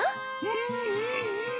うんうんうん。